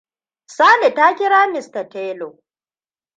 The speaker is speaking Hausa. Sally ta kira Mr Tailor.